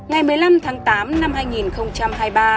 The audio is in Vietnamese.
ngày một mươi năm tháng tám năm hai nghìn hai mươi ba